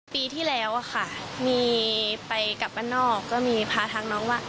ปีที่แล้วค่ะมีไปกลับบ้านนอกก็มีพาทักน้องว่า